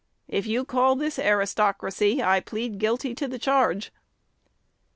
If you call this aristocracy, I plead guilty to the charge.'"